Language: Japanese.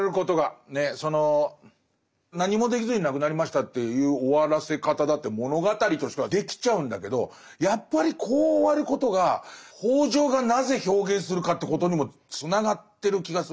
その何もできずに亡くなりましたっていう終わらせ方だって物語としてはできちゃうんだけどやっぱりこう終わることが北條がなぜ表現するかということにもつながってる気がする。